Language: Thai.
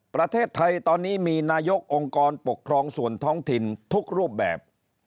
ประเทศไทยตอนนี้มีนายกองค์กรปกครองส่วนท้องถิ่นทุกรูปแบบ